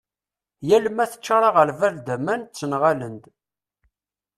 yal ma teččar aγerbal d aman ttenγalen-d